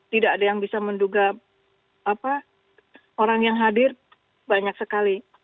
tidak ada yang bisa menduga orang yang hadir banyak sekali